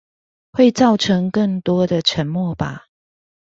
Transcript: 會造成更多的沉默吧？